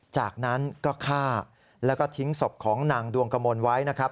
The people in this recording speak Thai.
จากนั้นก็ฆ่าแล้วก็ทิ้งศพของนางดวงกมลไว้นะครับ